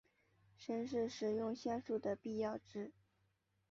神是使用仙术的必要值。